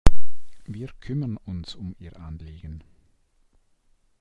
Wir kümmern uns um Ihr Anliegen.